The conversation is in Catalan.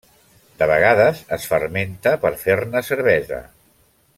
De vegades es fermenta per fer-ne cervesa.